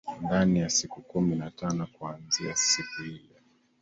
ndani ya siku kumi na tano kuaanzia siku ile